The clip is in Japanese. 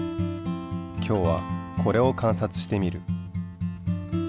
今日はこれを観察してみる。